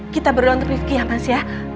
kita berdo'a untuk rifqi ya mas ya